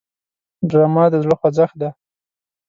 ډرامه د زړه خوځښت دی